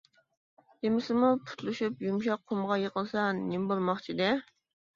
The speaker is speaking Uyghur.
دېمىسىمۇ پۇتلىشىپ يۇمشاق قۇمغا يېقىلسا نېمە بولماقچىدى؟ !